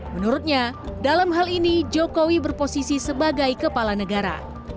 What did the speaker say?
menurutnya dalam hal ini jokowi berposisi sebagai kepala negara